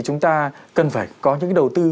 chúng ta cần phải có những cái đầu tư